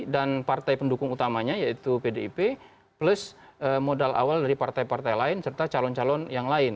dan partai pendukung utamanya yaitu pdip plus modal awal dari partai partai lain serta calon calon yang lain